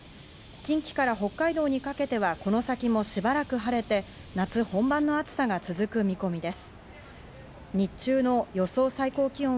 近畿から北海道にかけては、この先もしばらく晴れて、夏本番の暑さが続く見込みです。